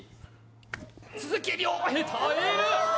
鈴木亮平、耐える、